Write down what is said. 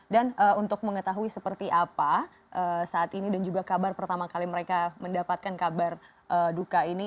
dan untuk mengetahui seperti apa saat ini dan juga kabar pertama kali mereka mendapatkan kabar duka ini